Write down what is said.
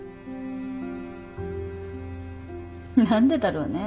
何でだろうね。